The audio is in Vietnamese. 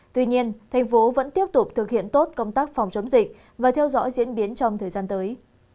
tuy nhiên thành phố vẫn tiếp tục thực hiện tốt công tác phòng chống dịch và theo dõi diễn biến trong thời gian tới